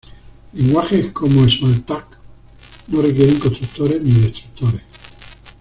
Lenguajes como Smalltalk no requieren constructores ni destructores.